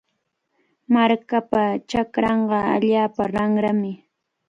Markapa chakranqa allaapa ranrami.